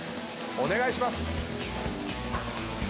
お願いします！